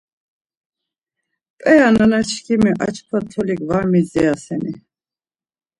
P̌eya nanaçkimi ar çkva tolik var midziraseni!